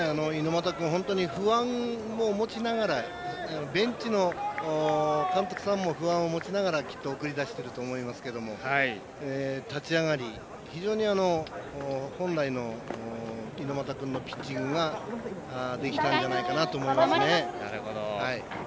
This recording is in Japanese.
猪俣君不安も持ちながらベンチの監督さんも不安を持ちながら、きっと送り出していると思いますけども立ち上がり、非常に本来の猪俣君のピッチングができたんじゃないかなと思います。